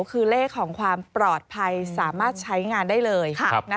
คือเลขของความปลอดภัยสามารถใช้งานได้เลย